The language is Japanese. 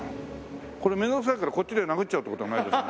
これ面倒くさいからこっちで殴っちゃうって事はないですよね？